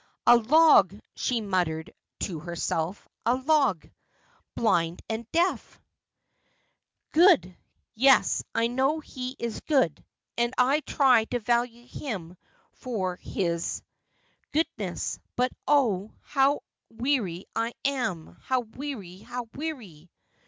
' A log,' she muttered to herself. ' a log. Blind and deaf ! Good ; yes, I know he is good, and I try to value him for his goodness ; but oh, how weary I am — how weary — how weary